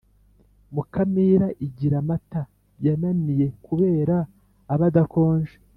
Mukamira igira amata yananiye kubera aba adakonje